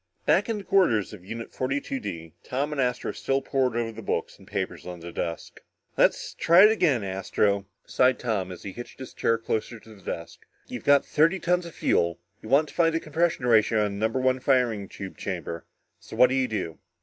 Back in the quarters of Unit 42 D, Tom and Astro still pored over the books and papers on the desk. "Let's try again, Astro," sighed Tom as he hitched his chair closer to the desk. "You've got thirty tons of fuel you want to find the compression ratio of the number one firing tube chamber so what do you do?"